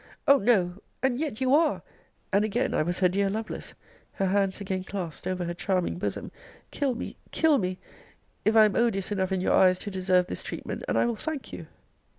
Oh! no! And yet you are! And again I was her dear Lovelace! her hands again clasped over her charming bosom: Kill me! kill me! if I am odious enough in your eyes to deserve this treatment: and I will thank you!